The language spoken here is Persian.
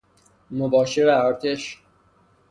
مباشر ارتش